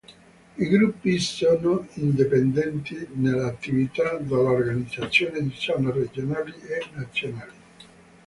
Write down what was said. I gruppi sono indipendenti nelle attività dalle organizzazioni di zona, regionali e nazionali.